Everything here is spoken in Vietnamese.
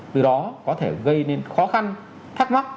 từ đó có thể gây nên khó khăn thắc mắc